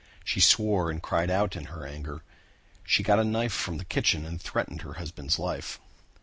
She swore and cried out in her anger. She got a knife from the kitchen and threatened her husband's life.